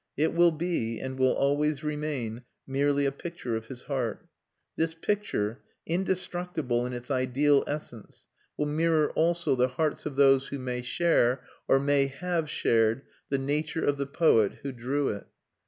It will be, and will always remain, merely a picture of his heart. This picture, indestructible in its ideal essence, will mirror also the hearts of those who may share, or may have shared, the nature of the poet who drew it.